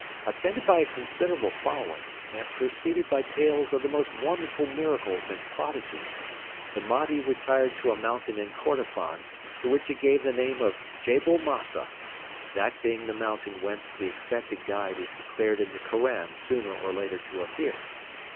Attended by a considerable following, and preceded by tales of the most wonderful miracles and prodigies, the Mahdi retired to a mountain in Kordofan to which he gave the name of Jebel Masa, that being the mountain whence 'the expected Guide' is declared in the Koran sooner or later to appear.